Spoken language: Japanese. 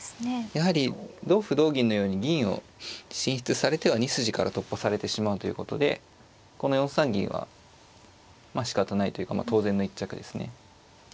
やはり同歩同銀のように銀を進出されては２筋から突破されてしまうということでこの４三銀はまあしかたないというか当然の一着ですね。